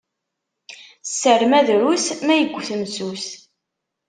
Sser ma drus, ma igget messus.